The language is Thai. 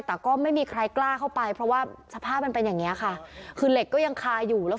แต่ก็ไม่มีใครกล้าเข้าไปเพราะว่าสภาพมันเป็นอย่างเงี้ยค่ะคือเหล็กก็ยังคาอยู่แล้ว